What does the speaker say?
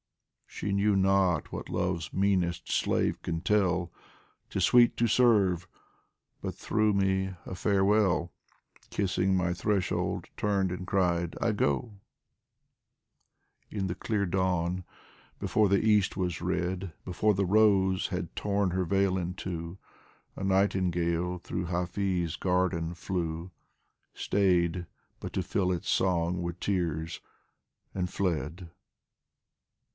She knew not what Love's meanest slave can tell :" 'Tis sweet to serve !" but threw me a Farewell, Kissing my threshold, turned, and cried "I go I " In the clear dawn, before the east was red, Before the rose had torn her veil in two, A nightingale through Hafiz' garden flew, Stayed but to fill its song with tears, and fled.